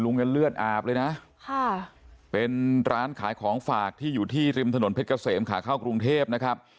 ยังเลือดอาบเลยนะค่ะเป็นร้านขายของฝากที่อยู่ที่ริมถนนเพชรเกษมขาเข้ากรุงเทพนะครับ